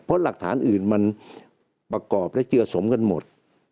เพราะหลักฐานอื่นมันประกอบและเจือสมกันหมด